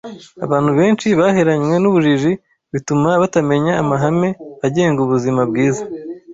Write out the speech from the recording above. abantu benshi baheranywe n’ubujiji bituma batamenya amahame agenga ubuzima bwiza